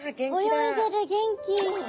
泳いでる元気。